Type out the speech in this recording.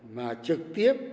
mà trực tiếp